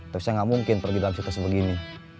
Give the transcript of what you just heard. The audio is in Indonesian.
tapi saya gak mungkin pergi dalam situ sebegini